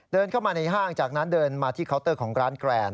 เดินเข้ามาในห้างจากนั้นเดินมาที่เคาน์เตอร์ของร้านแกรน